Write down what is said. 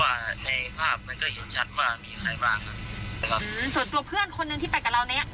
ในภาพมันก็เห็นชัดว่ามีใครบ้างครับนะครับส่วนตัวเพื่อนคนหนึ่งที่ไปกับเราเนี้ย